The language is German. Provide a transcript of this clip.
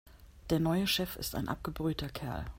Der neue Chef ist ein abgebrühter Kerl.